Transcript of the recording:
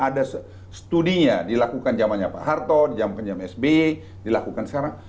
ada studinya dilakukan jamannya pak hartoh jamannya sby dilakukan sekarang